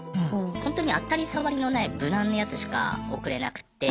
ほんとに当たり障りのない無難なやつしか送れなくって。